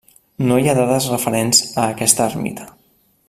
No hi ha dades referents a aquesta ermita.